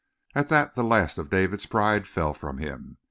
At that the last of David's pride fell from him.